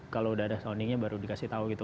kalau udah ada soundingnya baru dikasih tahu gitu